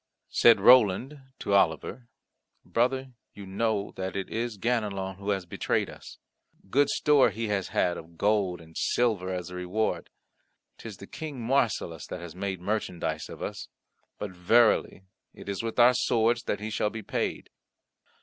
Said Roland to Oliver, "Brother, you know that it is Ganelon who has betrayed us. Good store he has had of gold and silver as a reward; 'tis the King Marsilas that has made merchandise of us, but verily it is with our swords that he shall be paid."